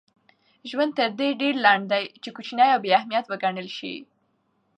ژوند تر دې ډېر لنډ دئ، چي کوچني او بې اهمیت وګڼل سئ.